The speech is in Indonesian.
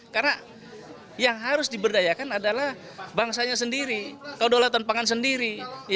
karena yang harus diberdayakan adalah bangsanya sendiri kedaulatan pangan sendiri